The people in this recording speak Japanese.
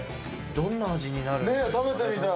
どんな味になるんですか？